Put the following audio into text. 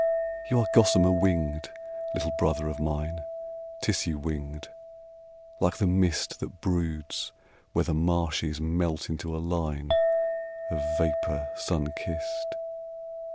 You are gossamer winged, little brother of mine, Tissue winged, like the mist That broods where the marshes melt into a line Of vapour sun kissed.